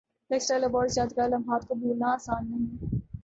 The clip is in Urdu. لکس اسٹائل ایوارڈ یادگار لمحات کو بھولنا اسان نہیں